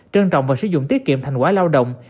trân trọng và sử dụng tiết kiệm thành quả lao động